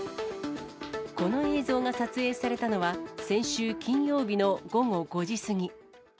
この映像が撮影されたのは先週金曜日の午後５時過ぎ。